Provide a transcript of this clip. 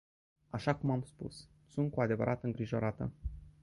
Așa cum am spus, sunt cu adevărat îngrijorată.